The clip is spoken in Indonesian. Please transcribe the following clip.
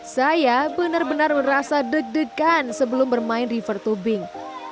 saya benar benar merasa deg degan sebelum bermain river tubing